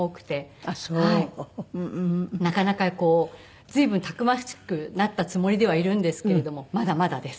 なかなか随分たくましくなったつもりではいるんですけれどもまだまだです。